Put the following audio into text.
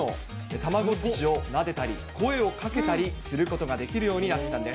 たまごっちをなでたり、声をかけたりすることができるようになったんです。